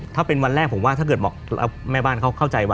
ถ้าเป็นวันแรกผมว่าถ้าเกิดบอกแล้วแม่บ้านเขาเข้าใจว่า